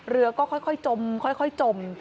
เรือก็ค่อยจมค่อยจม